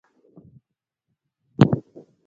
ويې ويل يوه شپه احتلام سوى وم.